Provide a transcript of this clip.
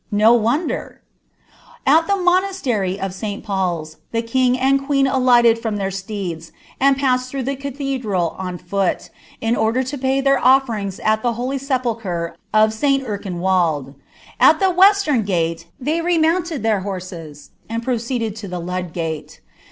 No wonder ! At the monastery of St. Paul's the king and queen alighted from ihrir ■teeds, and passed through the cathedral on foot, in order Eo pay ibui oflerings at the holy sepulchre of St. Erkenwald. At the western pti ihey remounted their horses, and proceeded to the Ludgnie.